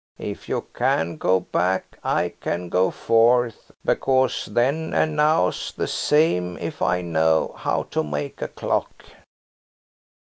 If you can go back I can go forth, because then and now's the same if I know how to make a clock."